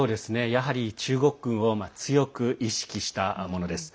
やはり中国軍を強く意識したものです。